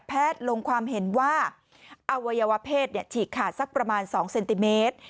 แพทย์ลงความเห็นว่าอวัยวเผ็ดเนี่ยฉีกขาดสักประมาณสองเซนติเมตร